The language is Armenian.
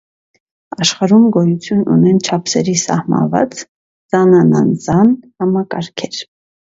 Աշխարհում գոյություն ունեն չափսերի սահմանված զանանազան համակարգեր։